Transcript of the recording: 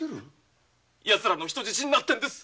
ヤツらの人質になってるんです。